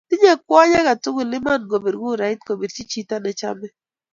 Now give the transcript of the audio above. tinye kwony aketukul iman kobir kurait kobirchi chito nechomei